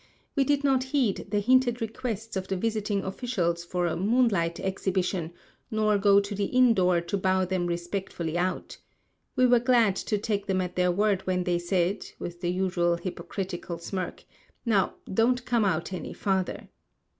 We did not heed the hinted requests of the visiting officials for a moon light exhibition, nor go to the inn door to bow them respectfully out. We were glad to take them at their word when they said, with the usual hypocritical smirk, "Now, don't come out any farther."